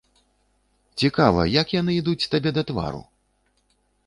Цікава, як яны ідуць табе да твару?